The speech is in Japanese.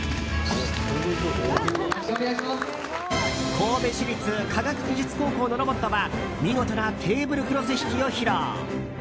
神戸市立科学技術高校のロボットは見事なテーブルクロス引きを披露。